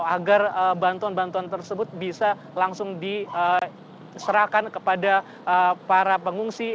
agar bantuan bantuan tersebut bisa langsung diserahkan kepada para pengungsi